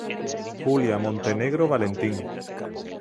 Julia Montenegro Valentín.